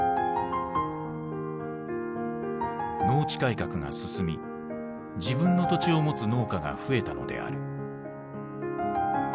農地改革が進み自分の土地を持つ農家が増えたのである。